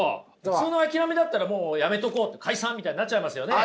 普通の諦めだったらもうやめとこう解散みたいになっちゃいますよね？